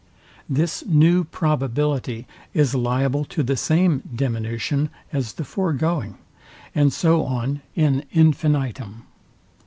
This new probability is liable to the same diminution as the foregoing, and so on, IN INFINITUM.